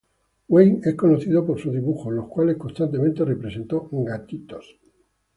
Wain es conocido por sus dibujos, en los cuales constantemente representó gatos.